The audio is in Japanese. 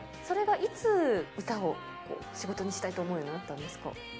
それがいつ、歌を仕事にしたいと思うようになったんですか。